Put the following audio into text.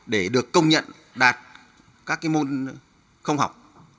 để được công nhận đạt các môn không học